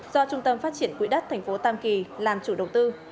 do trung tâm phát triển quỹ đất tp tam kỳ làm chủ đầu tư